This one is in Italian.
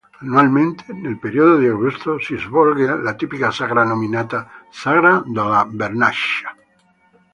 Annualmente, nel periodo di agosto, si svolge la tipica sagra, nominata "sagra della vernaccia"